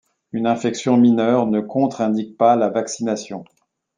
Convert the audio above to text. Une infection mineure ne contre-indique pas la vaccination.